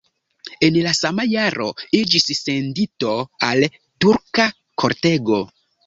En la sama jaro iĝis sendito al turka kortego.